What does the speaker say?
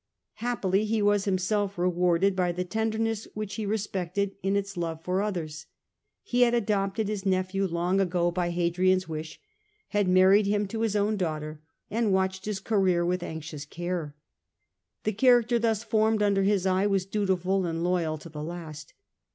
Happily, he was himself rewarded by the tenderness which he respected in its love for others. He had adopted his nephew long ago by Hadrian's wish, had married him to his own daughter, and watched his career with anxious care. The character thus formed under his eye was dutiful and loyal to the last.